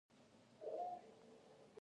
کور حق دی